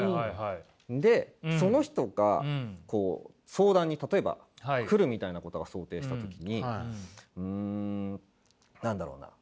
でその人がこう相談にたとえば来るみたいなことが想定した時にうん何だろうな？